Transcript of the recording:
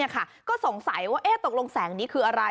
ก็สงสัยว่าตกลงแสงนี้คืออะไร